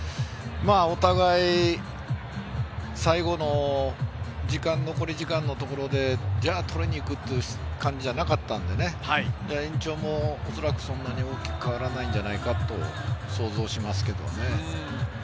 お互い最後の残り時間のところで取りに行くという感じではなかったので、延長もおそらくそんなに大きく変わらないんじゃないかなと想像しますけど。